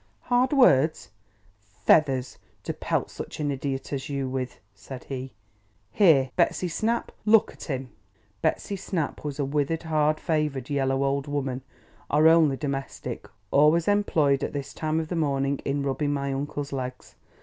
"Hard words? Feathers, to pelt such an idiot as you with," said he. "Here! Betsy Snap! Look at him!" Betsy Snap was a withered, hard favoured, yellow old woman—our only domestic—always employed, at this time of the morning, in rubbing my uncle's legs.